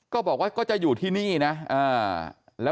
ก็บอกว่าก็จะอยู่ที่นี่นะ